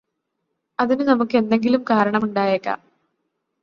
അതിന് നമുക്കെന്തെങ്കിലും കാരണമുണ്ടായേക്കാം